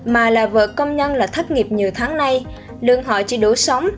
mà là vợ công nhân là thất nghiệp nhiều tháng nay lương họ chỉ đủ sống